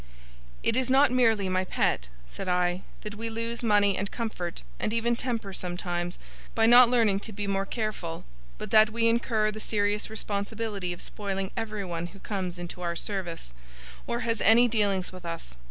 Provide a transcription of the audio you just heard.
'It is not merely, my pet,' said I, 'that we lose money and comfort, and even temper sometimes, by not learning to be more careful; but that we incur the serious responsibility of spoiling everyone who comes into our service, or has any dealings with us.